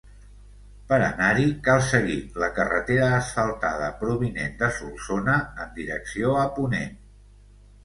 Per anar-hi cal seguir la carretera asfaltada provinent de Solsona en direcció a ponent.